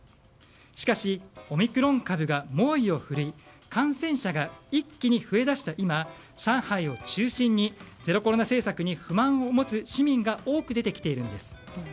しかし、オミクロン株が猛威を振るい感染者が一気に増え出した今上海を中心にゼロコロナ政策に不満を持つ市民が多く出てきているんです。